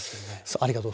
ありがとう。